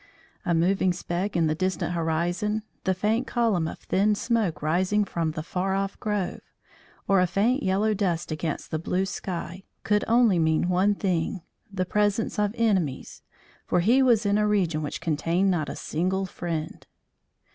A moving speck in the distant horizon, the faint column of thin smoke rising from the far off grove, or a faint yellow dust against the blue sky, could only mean one thing the presence of enemies, for he was in a region which contained not a single friend.